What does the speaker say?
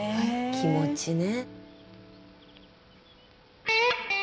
気持ちね。